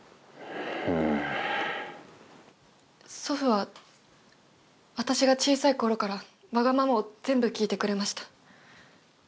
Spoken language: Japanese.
祖父は私が小さいころからわがままを全部聞いてくれました。